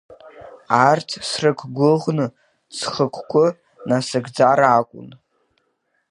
Арҭ срықәгәыӷны, схықәкы насыгӡар акәын.